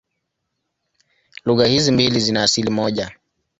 Lugha hizi mbili zina asili moja.